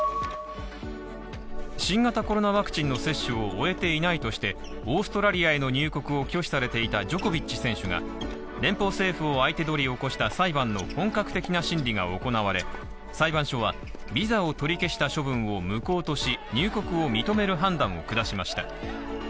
新型コロナワクチンの接種を終えていないとして、オーストラリアへの入国を拒否されていたジョコビッチ選手が、連邦政府を相手取り起こした裁判の本格的な審理が行われ、裁判所はビザを取り消した処分を無効とし、入国を認める判断を下しました。